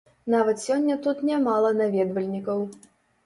Нават сёння тут нямала наведвальнікаў.